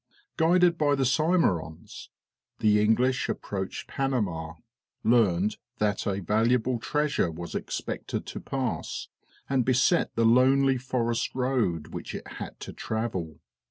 Guided by the Symerons, the English approached Panama, learned that a valuable treasure was expected to pass, and beset the lonely forest road which it had to travel.